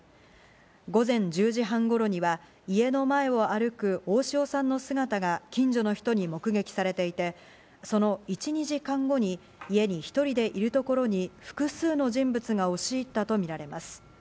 午前１０時半頃には、家の前を歩く大塩さんの姿が近所の人に目撃されていて、その１２時間後に家に１人でいるところに複数の人物が押し入ったと見られます。